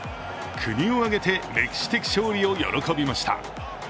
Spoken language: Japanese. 国を挙げて歴史的勝利を喜びました。